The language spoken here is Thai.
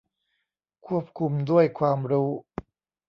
ควบคุมด้วยความรู้